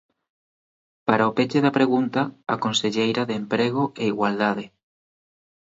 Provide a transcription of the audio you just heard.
Para o peche da pregunta, a conselleira de Emprego e Igualdade.